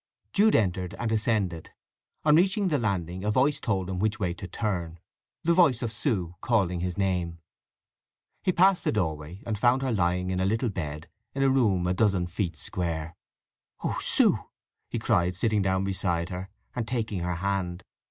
Jude entered and ascended. On reaching the landing a voice told him which way to turn—the voice of Sue calling his name. He passed the doorway, and found her lying in a little bed in a room a dozen feet square. "Oh, Sue!" he cried, sitting down beside her and taking her hand.